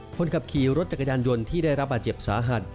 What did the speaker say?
คนขับขี่รถจักรยานยนต์ที่ได้รับบาดเจ็บสาหัส